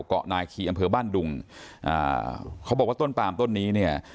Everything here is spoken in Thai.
เกาะนาคีอำเภอบ้านดุงอ่าเขาบอกว่าต้นปามต้นนี้เนี่ย